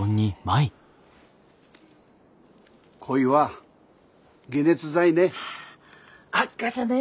こいは解熱剤ね。